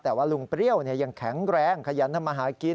แต่ว่าลุงเปรี้ยวยังแข็งแรงขยันทำมาหากิน